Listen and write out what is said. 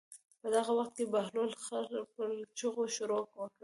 په دغه وخت کې د بهلول خر په چغو شروع وکړه.